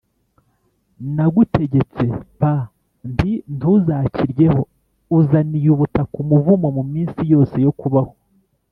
nagutegetse p nti ntuzakiryeho uzaniye ubutaka umuvumo Mu minsi yose yo kubaho